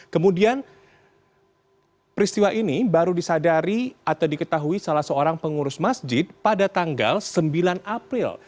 kemudian peristiwa ini baru disadari atau diketahui salah seorang pengurus masjid pada tanggal sembilan april